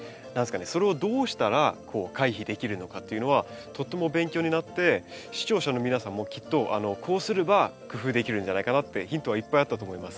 それをどうしたら回避できるのかというのはとっても勉強になって視聴者の皆さんもきっとこうすれば工夫できるんじゃないかなってヒントはいっぱいあったと思います。